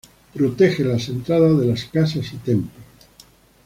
Protege las entradas de las casas y templos.